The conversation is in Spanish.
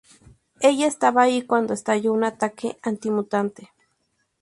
Ella estaba allí cuando estalló un ataque anti-mutante.